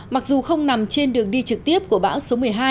mặc dù không nằm trên đường đi trực tiếp của bão số một mươi hai